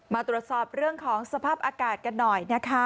มาตรวจสอบเรื่องของสภาพอากาศกันหน่อยนะคะ